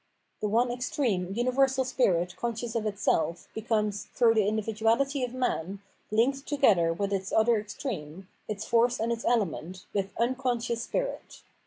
The one extreme, universal spirit conscious of itself, becomes, through the individuahty of man, linked together with its other extreme, its force and its element, with unconscious spirit.